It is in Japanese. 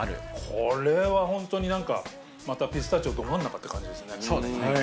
これはホントになんかまたピスタチオど真ん中って感じですね。